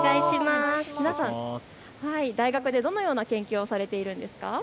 皆さん、大学でどのような研究をされているんですか。